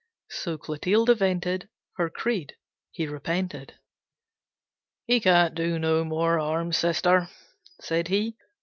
So Clotilde vented Her creed. He repented. "He can't do no more harm, Sister," said he.